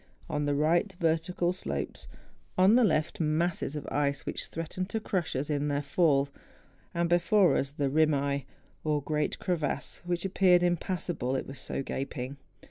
On the right, vertical slopes; on the left, masses of ice which threatened to crush us in their fall; and before us the rimaye, or great crevasse, which appeared impassable, it was so gaping.